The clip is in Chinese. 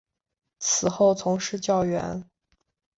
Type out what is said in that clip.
此后从事教员。